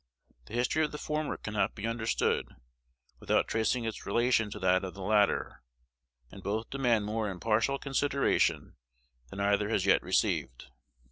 The history of the former cannot be understood without tracing its relation to that of the latter, and both demand more impartial consideration than either has yet received.